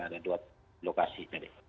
ada dua lokasi